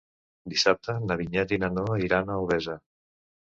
Dissabte na Vinyet i na Noa iran a Albesa.